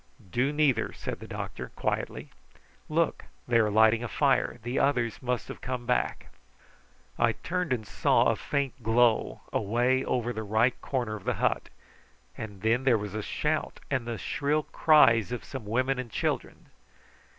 "Do neither!" said the doctor quietly. "Look! they are lighting a fire. The others must have come back." I turned and saw a faint glow away over the right corner of the hut; and then there was a shout, and the shrill cries of some women and children.